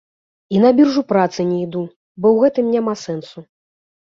І на біржу працы не іду, бо ў гэтым няма сэнсу.